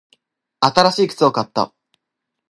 新しい靴を買った。